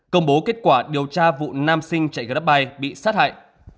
công bố kết quả điều tra vụ nam sinh chạy grab bike bị sát hại